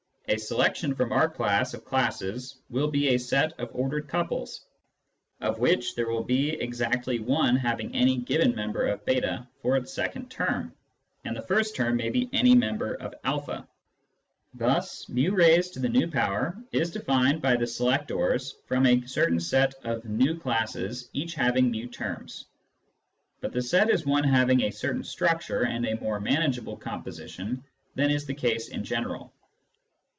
A selection from our class of classes will be a set of ordered couples, of which there will be exactly one having any given member of /? for its second term, and the first term may be any member of a. Thus /*" is defined by the selectors from a certain set of v classes each having fi terms, but the set is one having a certain structure and a more manageable composition than is the case in general.